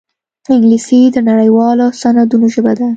انګلیسي د نړيوالو سندونو ژبه ده